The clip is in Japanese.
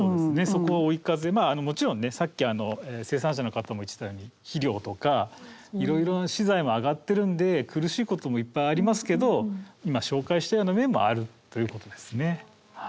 まあもちろんねさっき生産者の方も言ってたように肥料とかいろいろな資材も上がってるんで苦しいこともいっぱいありますけど今紹介したような面もあるということですね。